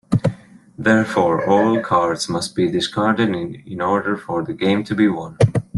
Therefore, all cards must be discarded in order for the game to be won.